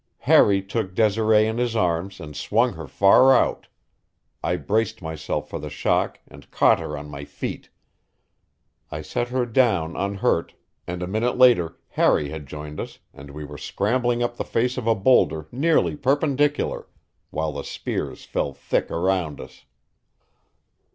Harry took Desiree in his arms and swung her far out; I braced myself for the shock and caught her on my feet. I set her down unhurt, and a minute later Harry had joined us and we were scrambling up the face of a boulder nearly perpendicular, while the spears fell thick around us.